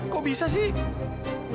kok bisa sih